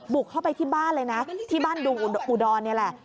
บุกเข้าไปที่บ้านเลยนะที่บ้านดุงอุดรนี่แหละ